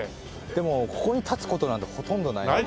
でもここに立つ事なんてほとんどないですね。